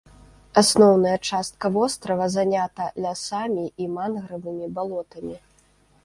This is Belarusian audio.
Асноўная частка вострава занята лясамі і мангравымі балотамі.